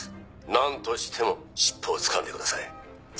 「なんとしても尻尾をつかんでください」